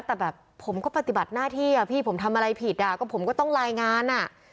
แต่แบบผมก็ปฏิบัติหน้าที่อ่ะพี่ผมทำอะไรผิดอ่ะก็ผมก็ต้องรายงานอ่ะ